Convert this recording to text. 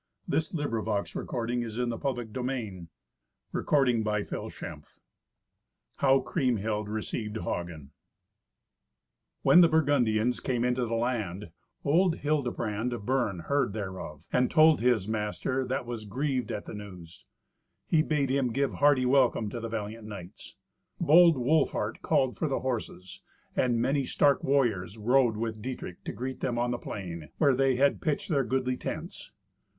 He shall pay dear for my sorrow." Twenty Eighth Adventure How Kriemhild Received Hagen When the Burgundians came into the land, old Hildebrand of Bern heard thereof, and told his master, that was grieved at the news. He bade him give hearty welcome to the valiant knights. Bold Wolfhart called for the horses, and many stark warriors rode with Dietrich to greet them on the plain, where they had pitched their goodly tents.